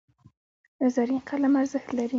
زرین قلم ارزښت لري.